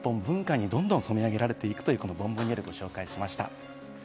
まさに日本文化にどんどん染め上げられていく、このボンボニエールをご紹介しました。